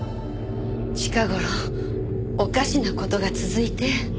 近頃おかしな事が続いて。